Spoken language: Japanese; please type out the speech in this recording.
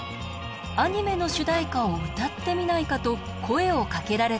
アニメの主題歌を歌ってみないかと声をかけられたのです。